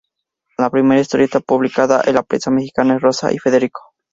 La primera historieta publicada en la prensa mexicana es ""Rosa y Federico.